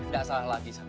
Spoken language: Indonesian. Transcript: gak salah lagi sarti